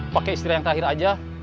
pakai istilah yang terakhir aja